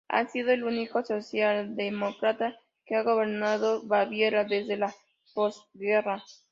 Ha sido el único socialdemócrata que ha gobernado Baviera desde la posguerra.